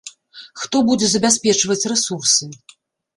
Хто будзе забяспечваць рэсурсы?